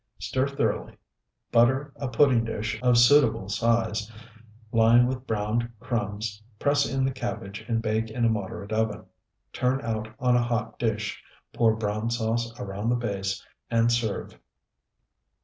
Stir thoroughly; butter a pudding dish of suitable size, line with browned crumbs, press in the cabbage, and bake in a moderate oven. Turn out on a hot dish, pour brown sauce around the base, and serve.